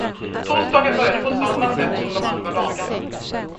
Torsdagen började på samma sätt som de andra dagarna.